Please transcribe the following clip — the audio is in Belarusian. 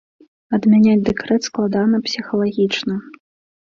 Адмяняць дэкрэт складана псіхалагічна.